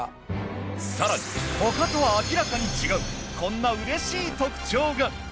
更に他とは明らかに違うこんなうれしい特徴が！